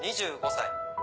２５歳。